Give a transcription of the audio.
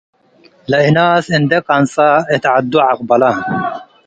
ለእናስ እንዴ ቀንጸ እት ዐዱ ዐቅበለ።